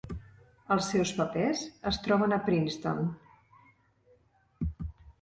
Els seus papers es troben a Princeton.